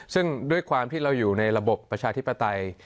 ซึ่งด้วยความที่เราอยู่ในระบบประชาธิปไตย